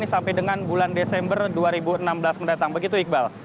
sampai dengan bulan desember dua ribu enam belas mendatang begitu iqbal